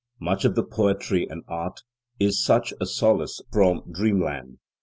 Much of poetry and art is such a solace from dreamland.